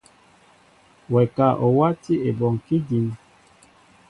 Wɛ ka o wátí ebɔŋkí dǐn.